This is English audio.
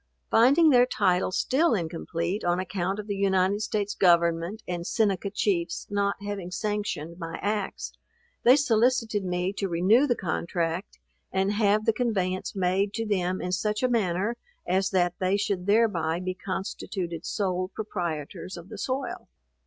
Finding their title still incomplete, on account of the United States government and Seneca Chiefs not having sanctioned my acts, they solicited me to renew the contract, and have the conveyance made to them in such a manner as that they should thereby be constituted sole proprietors of the soil.